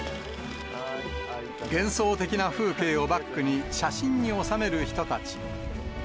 幻想的な風景をバックに、写真に収める人たち。